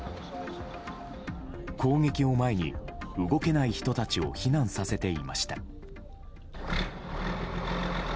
攻撃を前に、動けない人たちを避難させていました。